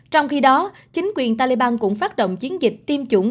trong khi đó chính quyền taliban cũng phát động chiến dịch tiêm chủng